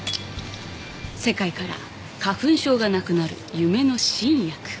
世界から花粉症がなくなる夢の新薬。